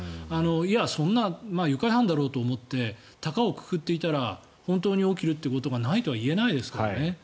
いや、そんな愉快犯だろうと思って高をくくっていたら本当に起きるということがないとはいえないですからね。